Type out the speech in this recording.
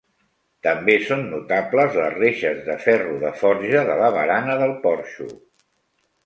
També són notables les reixes de ferro de forja de la barana del porxo.